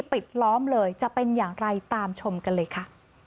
ปิดล้อมเลยจะเป็นอย่างไรตามชมกันเลยค่ะ